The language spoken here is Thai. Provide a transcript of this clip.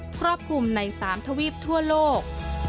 ครอบคลุมใน๓ทวีปทั่วโลก